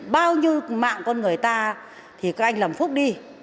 bao nhiêu mạng con người ta thì các anh lầm phúc đi